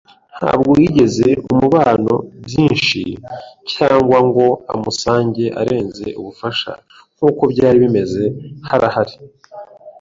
ntabwo yigeze amubona byinshi, cyangwa ngo amusange arenze ubufasha. Nkuko byari bimeze, harahari